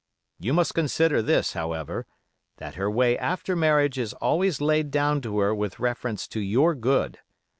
You must consider this, however, that her way after marriage is always laid down to her with reference to your good.